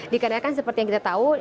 dikarenakan seperti yang kita tahu